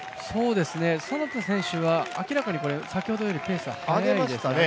其田選手は明らかに先ほどよりペース速いですね。